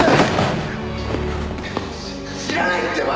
知らないってば！